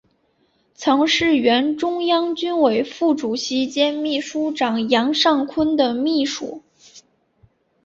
曾是原中央军委副主席兼秘书长杨尚昆的秘书。